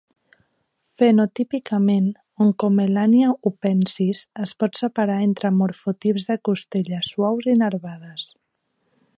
Fenotipicament, "Oncomelania hupensis" es pot separar entre morfotips de costelles suaus i nervades.